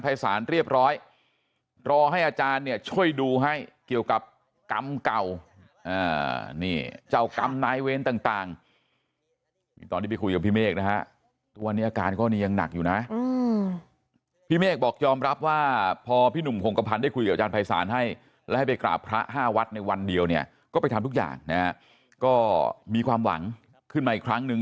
และให้ไปกราบพระ๕วัดในวันเดียวเนี่ยก็ไปทำทุกอย่างนะก็มีความหวังขึ้นมาอีกครั้งหนึ่ง